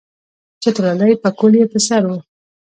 چترالی پکول یې پر سر وو.